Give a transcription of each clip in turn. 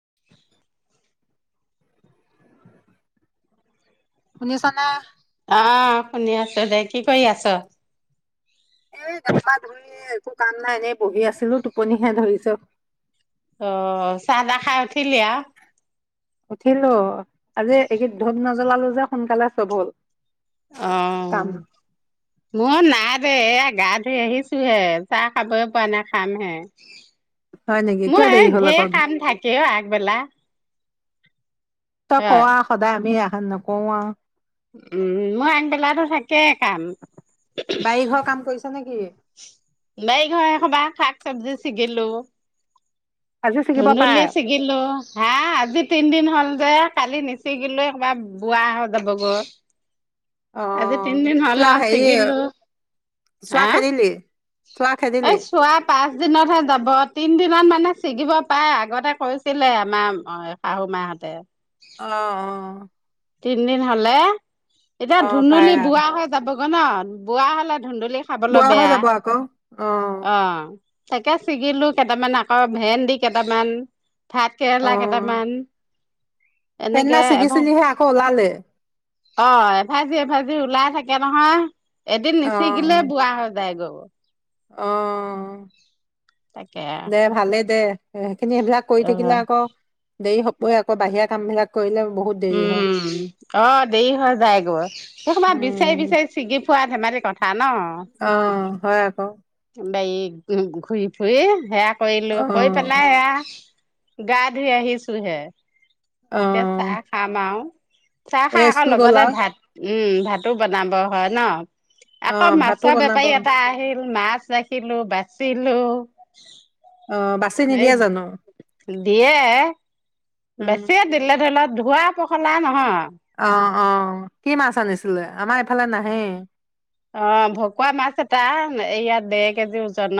[inaudible] শুনিছানে? আহ শুনি আছোঁ দে কি কৰি আছ এই জফা ধৰি একো কাম নাই এনেই বহি আছিলো টোপনিহে ধৰিছে অ চাহ টা খাই উঠিলি আৰু উঠিলো আজি এইকেই ধোপ নজলালো যে সোনকালে সৌধু অ মোৰ নাই এ গা ধুই আহিছো হে চাহ খাবই পোৱা নাই খাম হে হয় নেকি কিয় মোৰ দেৰি হ'ল ঢেৰ আকৌ কাম থাকেও আগবেলা তই কৰ হয় সদায় আমি এখন নকোৱা উম মই আগবেলাটো থাকে কাম বাৰী ঘৰ কাম কৰিছ নেকি? বাৰি ঘৰ এখবাহ শাক চবজি ছিগিলো। আজি ছিগিব পাৰে ধুন্দুলি শিগিলো হা আজি তিনদিন হ'ল যে কালি নিচিগিলৈ কবাৰ বোৱা হৈ যাবগৈ অ আজি তিনদিন হ'ল কিয় আৰু হেৰি ছিগিলো চোৱা হা খেদিলি। চোৱা এই খেদিলি। চোৱা পাঁচ দিনতহে যাব তিন দিনত মানে ছিগিব পাৰে আগতে কৈছিলে আমাৰ শাহু মাহঁতে অ, 'অ। তিনিদিন হ'লে এতিয়া অ পাৰে ধুনুলি আও বোৱা হৈ যাবগৈ ন বোৱা হ'লে ধুন্দুলি খাবলৈ বুঢ়া হৈ বেয়া যাব আকৌ অ তাকে ছিগিলো কেইটামান, আকৌ ভেন্দি কেইটামান। ভাত কেৰেলা কেইটামান। এনেকে সেদিনা এভাজ ছিগিছিলিহে আকৌ ওলালে? অ, এভাজি- এভাজি ওলাই থাকে নহয় এদিন অ নিচিগিলে বোৱা হৈ যায় গৌ। অ', তাকে দে ভালেই দে সেইখিনি সেইবিলাক কৰি অ থাকিলে আকৌ দেৰি হবই আকৌ বাহিৰা কাম বিলাক কৰিলে বহুত দেৰি হয়। উম, অ', ' দেৰি হৈ যায় গৈ সেইখুপা বিচাৰি, উম বিচাৰি ছিগি ফোৱাত। অ', 'হয় আকৌ। বাৰী ঘূৰি ফুৰি সেয়া কৰিলো অ কৰি পেলাই সেয়া গা ধুই আহিছো হে অ এতিয়া চাহ খাম আৰু। চাহ খাই এই আকৌ স্কুল লগতে গ'লা ভাত উম, ভাতো বনাব হয় ন। অ আকৌ ভাতো মাছৰ বনাব বেপাৰী এটা আহিল। মাছ ৰাখিলো বাচিলো। অ বাচি এই নিদিয়ে জানো দিয়ে। উম বেছিয়েই দিলে ধৰি লওক ধোৱা পখলা নহয়। অ', অ' কি মাছ আনিছিলে আমাৰ এইফালে নাহে। অ' ভকুৱা মাছ এটা এই ইয়াত দেৰ কেজি ওজন।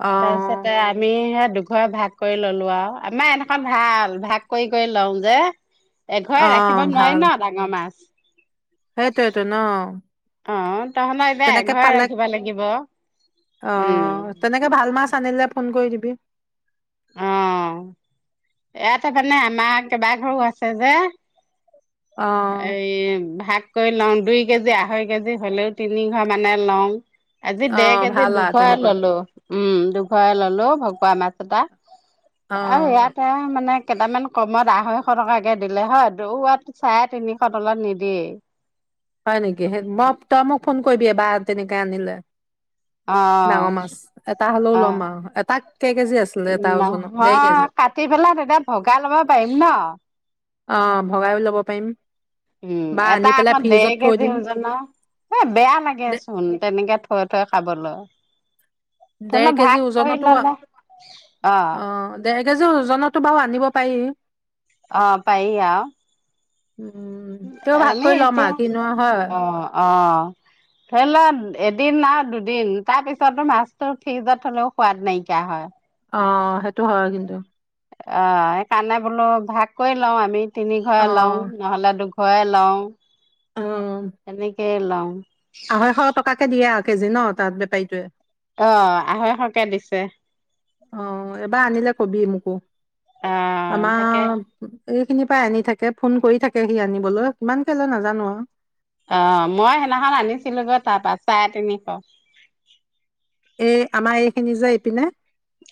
অ আমি হেয়া দুখৰে ভাগ কৰি ললো আৰু আমাৰ এইদশত ভাল ভাগ কৰি কৰি লও যে। অ এঘৰে ৰাখিব নোৱাৰি ন ডাঙৰ মাছ। সেইটো এইটো ন। অ', তহতৰ এতিয়া তেনেকে এঘৰে পালে ৰাখিব লাগিব। অ উম, তেনেকে ভাল মাছ আনিলে ফোন কৰি দিবি। অ' ইয়াতে মানে আমাৰ কেইবাঘৰো আছে যে। অ এই ভাত। কৰি লও দুই কেজি আঢ়ৈ কেজি হলেও তিনি ঘৰ মানে লও। আজি অ দেৰ কেজি ভাল আ দুঘৰ তেনেকুৱাত ললো উম, দুঘৰে ললো ভকুৱা মাছ এটা। আৰু অ ইয়াতে মানে। কেইটামান কমত আঢ়ৈশ টকাকে দিলে হয়। চাৰে তিনিশ তলত নিদিয়েই। হয় নেকি সেই মই তই মোক ফোন কৰিবি এবাৰ তেনেকে আনিলে। ডাঙৰ মাছ এটা হ'লেও অ-অ, ল'ম আৰু এটা কেই কেজি আছিলে এটা ওজনৰ ডেৰ নহয় কেজি কাট কাটি পেলাই তেতিয়া ভগাই ল'ব পাৰিম ন। অ, ভগায়ো ল'ব পাৰিম। উম বা এটা আনি পেলাই আকৌ দেৰ ফ্ৰিজত থৈ কেজি দিম ওজন এ বেয়া লাগে দে চোন তেনেকে থৈ - থৈ খাবলৈ। ধৰি ডেৰ ল কেজি ভাগ কৰি ওজনতো ললে অ, ' ওজনো বাৰু আনিব পাৰি। অ, 'পাৰি আও। উম তেও ভাগ কৰি এনেই ল'ম এতিয়া আৰু কিনো আৰু হয় অ-অ। ধৰি ল এদিন আউ দুদিন তাৰ পিছতো মাছতটো ফ্ৰিজত থলেও সোৱাদ নাইকিয়া হয়। অ', সেইটো হয় কিন্তু। অ', সেইকাৰণে বোলো ভাগ কৰি লও আমি তিনি অ ঘৰে লও নহলে দু লওঁ অ এনেকেই লওঁ। আঢ়ৈশ টকাকে দিয়ে আৰু কেজি ন তাত বেপাৰীটোৱে। অ, আঢ়ৈশকে দিছে। অ, এবাৰ আনিলে কবি মোকো অ তাকে আমাৰ এইখিনি পাই আনি থাকে ফোন কৰি থাকে সি আনিবলৈ, কিমান কে লয় নাজানো আৰু। অ, মই সেইদিনাখন আনিছিলো, গৈ তাৰপা চাৰে তিনিশ। এই আমাৰ এইখিনি যে, এইপিনে।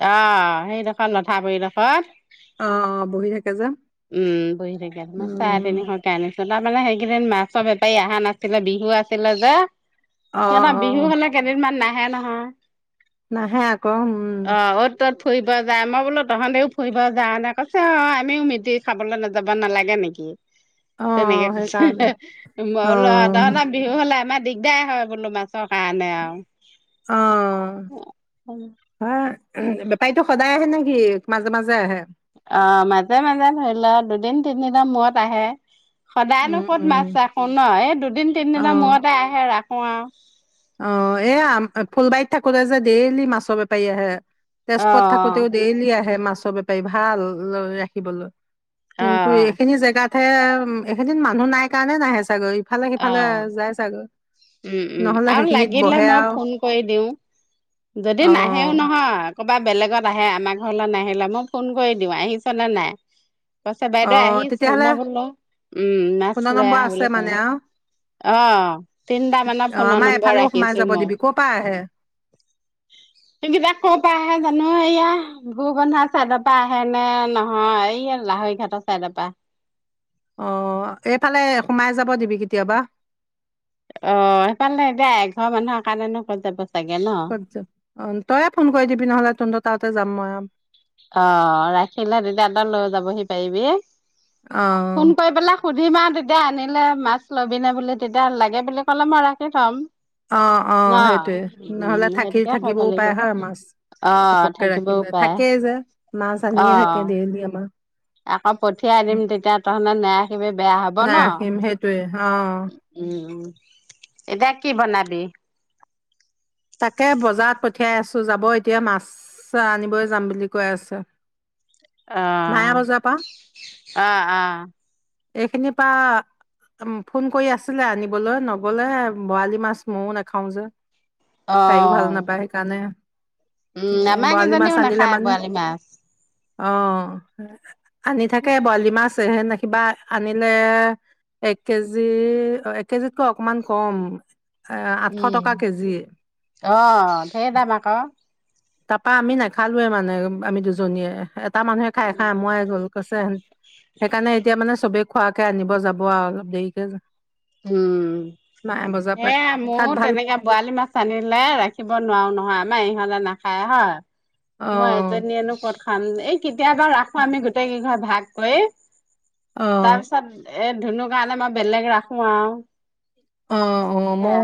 অহ, সেইডোখৰত লথাগুৰিলফা। অ বহি থাকে যে [unintelligible] উম, মই চাৰে উম তিনিশকে আনিছোঁ। তাৰ মানে, সেইকেইদিন মাছৰ বেপাৰী অহা নাছিলে বিহু আছিলে যে। অ সিহঁতে, অ বিহু হ'লে কেইদিনমান নাহে, নহয়। নাহে আকৌ। উম! অ অ'ত ত'ত ফুৰিব যায়, মই বোলো, তহতেও ফুৰিব যাওনে? কৈছে, অ, আমিও খাবলৈ নাযাব নালাগে নেকি? অ তেনেকে সেইকাৰণে কৈছে, অ মই ত বিহু হ'লে আমাৰ দিগদাৰ হয় বোলো মাছৰ কাৰণে। অ'! অ, হ উ! বেপাৰীটো সদায় আহে নেকি, মাজে মাজে আহে? অ, মাজে - মাজে ধৰি লোৱা দুদিন তিনিদিনৰ মূৰত আহে। সদায়নো উম কত উম মাছ ৰাখো ন? এই দুদিন অ তিনিদিনৰ মূৰতে আহে, ৰাখো আৰু। অ'! এয়া, ফুলবাৰিত থাকোঁতে যে, ডেইলি মাছৰ বেপাৰী আহে। অ তেজপুৰত থাকোতেও ডেইলি আহে মাছৰ বেপাৰী, ভাল ৰাখিবলৈ। অ কিন্তু, এইখিনি জেগাতহে, এইখিনিত মানুহ নাই কাৰণে নাহে চাগৈ। অ ইফালে-সিফালে যাই চাগৈ। উম উম নহ'লে সে [inaudible] মই ফোন কৰি দিওঁ। যদি নাহেও অ', নহয়, ক'তবা বেলেগত আহে, আমাৰ ঘৰলৈ নাহে। [inaudible] মই ফোন কৰি দিওঁ আহিছ নে নাই। কৈছে, বাইদেউ অ', আহিছোঁ। তেতিয়াহ'লে মই বোলোঁ, উম, মাছ ফোনৰ লৈ নম্বৰ আহ, আছে বুলি কওঁ। মানে আৰু অ, তিনটা মানৰ অ', ফোনৰ আমাৰ নম্বৰ এফালেও সোমাই ৰাখিছো যাব মই। দিবি ক'ৰ পৰা আহে? [inaudible] সেইকেইটা কৰ পৰা আহে জানো? এইয়া ভূৰবন্ধা চাইডৰ পৰা আহে নে নহয়, এইয়া লাহৈ ঘাটৰ চাইড পৰা। অ, এইফালে সোমাই যাব দিবি কেতিয়াবা। অ, সেইফালে এতিয়া এঘৰ মানুহৰ কাৰণে ক'ত যাব চাগে ন? ক'ত য অ, তইয়ে ফোন কৰি দিবি, নহ'লে তন্তৰ তাতে যাম মই। অ'! ৰাখিলে তেতিয়া, তই লৈ যাবহি পাৰিবি। ফোন অ'! কৰি পেলাই সুধিম, আৰু তেতিয়া আনিলে মাছ ল'বিনে বুলি? তেতিয়া লাগে বুলি ক'লে, মই ৰাখি থ'ম। অ'! ন অ'! সেইটোৱে। নহ'লে উম, থাকি, সেইটোকে কৰিব থাকিবও পাৰে, লাগিব। হয়! মাছ। অ', ঘপককৈ থাকিবও ৰাখিলে, পাৰে থাকেই যে। মাছ অ'। আনিয়ে থাকে দেইলি আমাৰ। আকৌ পঠিয়াই দিম, তেতিয়া তহঁতে নাৰাখিবি, বেয়া হ'ব ন? নাৰাখিম সেইটোৱে অ'। উম, এতিয়া কি বনাবি? তাকে, বজাৰত পঠিয়াই আছোঁ। যাব এতিয়া, মাছ আনিবই যাম বুলি কৈ আছে। মায়া অ'! বজাৰৰ পৰা অ'! অ'! এইখিনিৰ পৰা ফোন কৰি আছিলে, আনিবলৈ নগ'লে বৰালি মাছ ময়ো নাখাও যে। তাইও ভাল অ', নাপায় সেইকাৰণে। উম, আমাৰ বৰালী মাছ কিজনীও আনিলে নাখায় মানে, বৰালি মাছ। অ, আনি থাকে বৰালি মাছ কিবা আনিলে এক কেজি, এক কেজিতকৈ অকমান কম। এ, আঠশ উম, টকা কেজি। অ, সেই দাম আকৌ। তাৰপা, আমি নাখালোৱে মানে, আমি দুজনীয়ে। এটা মানুহে খায়, এটা আমোৱাই গ'ল কৈছে। সেইকাৰণে এতিয়া মানে চবে খোৱাকে আনিব যাব আৰু অলপ দেৰিকৈ। উম! পাই সেয়া, মোৰ তাত ভাল তেনেকে বৰালি মাছ আনিলে ৰাখিব নোৱাৰো নহয়। আ নাই ইহতে নাখায় হয়, অ মই এজনীয়েনো কত খাম। এই কেতিয়াবা ৰাখো, আমি গোটেই কেইঘৰ ভাগ কৰি। অ তাৰপিছত এই ধুনুৰ কাৰণে মই বেলেগ ৰাখো আও। অ' অ' মও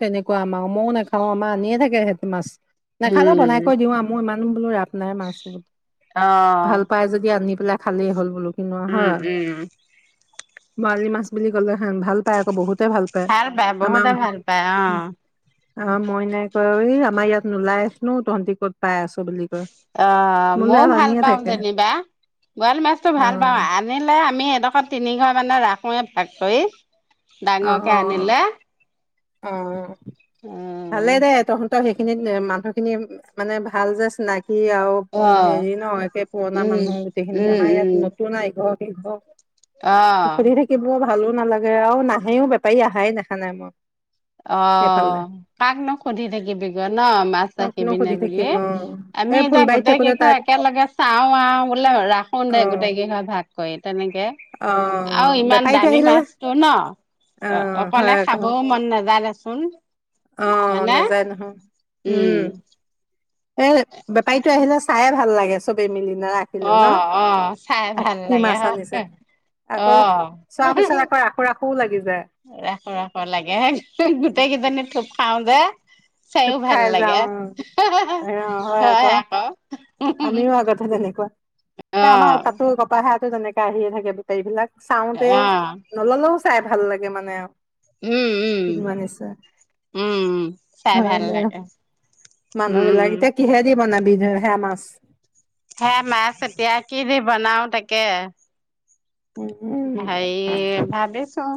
তেনেকুৱা আমাৰ, ময়ো নাখাও আমাৰ আনিয়ে থাকে সেইটো মাছ। নাখালেও বনাই উম, কৈ দিওঁ আও, মোৰ ইমানো বোলো ৰাপ নাই মাছত। ভাল অ', পাই যদি আনি পেলেই খালেই হ'ল বোলো। [unintelligible] উম, হয় উম, বৰালি মাছ বুলি ক'লে ভাল পায় আকৌ বহুত। বহুতে ভাল পায় আমাৰ। বহুতে ভাল পায় অ', অ' মইনাই কয়, এই আমাৰ ইয়াত নোলাই [unintelligible] নো তহঁটি ক'ত পাই আছ বুলি। কয় অ' মোলৈ মইও ইয়াত ভাল আনিয়ে পাও থাকে যেনিবা। বৰালী মাছটো অ ভাল পাওঁ, আনিলে আমি এইডখৰত তিনিঘৰে মানে ৰাখ খো এ ভাগ কৰি অ ডাঙৰকে আনিলে। অ' ভালে উম, দে তহঁতৰ সেই খিনিত মানুহ খিনি মানে ভাল যে চিনা সি আৰু অ' হেৰি ন, একে পুৰণা উম। মানুহ গোটেইখিনি উম, আমাৰ উম, ইয়াত নতুন এঘৰ-সিঘৰ অ', সুধি থাকিব ভালো নালাগে আও, নাহেও বেপাৰী আহাই দেখা নাই মই। এইফালে অ' কাকনো সুধি থাকিবিগৈ ন, মাছ কাকনো ৰাখিবিনে সুধি থাকিম বুলি। অ আমি এই এতিয়া ফুলবাৰীত গোটেই থাকোতে কেইঘৰ তাত একেলগে চাও আও বোলে ৰাখো অ দে গোটেই কেইঘৰে ভাগ কৰি তেনেকে। অ আৰু ইমান বেপাৰীটো দামী আহিলে মাছটো ন'? অ' অকলে হয় আকৌ খাবও মন নেযায় দেচোন। অ' হয়নে নাযায় নহয়। উম, এই বেপাৰীটো আহিলে চাইয়ে ভাল লাগে চবে মিলি। অ', নাৰাখিলেও ন, অ', চাই ভাল কি লাগে মাছ হয়, আনিছে। আকৌ অ', চোৱাৰ পিছত আকৌ ৰাখোঁ-ৰাখোঁ ৰাখো ৰাখো লাগে, গোটেই কেইজনী থোপ খাও যে। চাইও থুপ খাই ভাল লাগে, যাওঁ হয় আকৌ। আমিও আগতেহ তেনেকুৱা এ আমাৰ অ', তাতো [unintelligible] তেনেকা আহিয়ে থাকে বেপাৰী বিলাক। চাওতে অ', নললেও চাই ভাল লাগে মানে আৰু। উম উম কিনোৱা নিচিনা উম, চাই হয় ভাল দে লাগে। মানুহ উম, বিলাক, এতিয়া কিহে দি বনাবি ধ সেয়া মাছ? হে মাছ এতিয়া কি দি বনাও তাকে। উম সেই ভাবিছোঁ।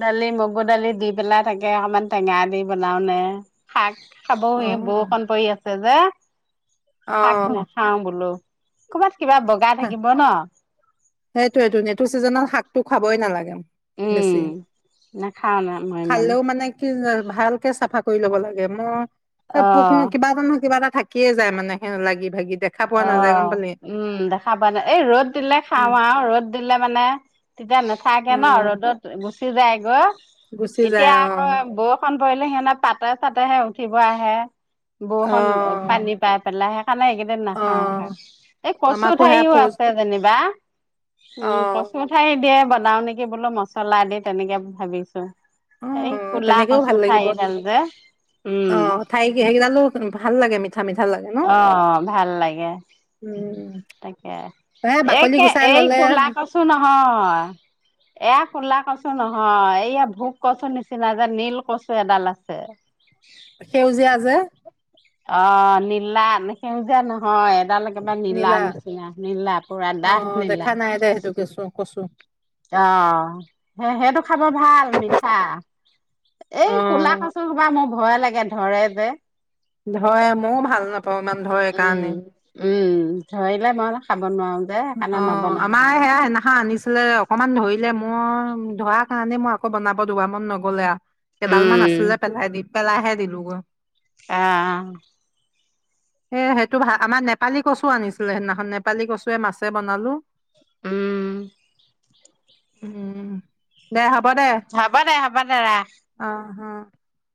দালি মগু দালি দি পেলাই তাকে অকমান টেঙা দি বনাও নে শাক। খাবও অ' এ বৰষুণ পৰি আছে যে শাক অ' নাখাওঁ বোলো ক'বাত। কিবা বগাই থাকিব ন। সেই এইটো ছিজনত শাকটো খাবই নালাগে। বেছি উম নাখাও ন মই ইমান খালেও মানে কি‌ যে। ভালকে চাফা কৰি ল'ব লাগে মই এ অ পোক কিবাটা নহয় কিবা এটা। থাকিয়ে যায় মানে সেই লাগি ভাগি। দেখা পোৱা নাযায় গম অহ পালি উম দা। খাবা নে এই ৰ'দ দিলে খাওঁ আও ৰ'দ দিলে মানে তেতিয়া নাথাকে অ ন ৰ'দত গু। চি যায় গ গুচি এতিয়া যায় অ আকৌ বৰষণ। পৰিলে সিহঁতে পাতে চাতেহে উঠিব আহে। অ বৰষুণ পানী পাই পেলাই সেইকাৰণে এইকেইদিন অ খাওঁ খা এই কচু আমাকো সেয়া ঠাৰিও ফৌজ আছে যেনিবা। অ উম কচু ঠাৰি দিয়ে বনাও নেকি বোলো মছলা দি তেনেকে ভাবিছোঁ। অ এই কলা কচু ঠাৰি ডাল যে। অহ ঠাৰি কি সেইকেইডালো ভাল লাগে ম। অহ ভাল লাগে। উম তাকে এ বাকলি কে গুচাই এই ললে কলা কচু নহয় এয়া। কুলা কছু নহয়, এইয়া ভোক কচুৰ নিচিনা যে নীল কচু এডাল আছে। সেউজীয়া যে অ' নীলা, সেউজীয়া নহয়। এডাল একেবাৰ নীলা নিচিনা নীলা পুৰা অ ডাঠ দেখা নীলা। নাই দে সেইটো কেঁচু কচু অহ সেই সেইটো খাব ভাল মিঠা। অ এই কুলা কচু হোপা মোৰ ভয় লাগে ধড়ে যে। ধৰে মও ভাল নাপাওঁ। ইমান ধৰে কাৰণে ধড়িলে মই অলপ খাম। অহ আমাৰ সেয়া সেইনাখন আনিছিলে। অকমান ধৰিলে মই ধৰা কাৰণে মই আকৌ বনাব দুবাৰ মন নগলে আৰু এইডাল মান উম, আছিলে পেলাই দি পেলাইহে দিলোঁ গৈ। অ' অ' এ সেইটো ভাল আমাৰ নেপালী কচু আনিছিলে সেইদিনাখন নেপালী কচুৱে মাছে বনালো। উম। উম দে হ'ব দে, হ'ব দে, হ'ব দে ৰাখ। অ' অ'। [inaudible]